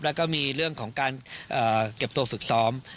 แล้วก็มีเรื่องของการเก็บตัวฝึกซ้อม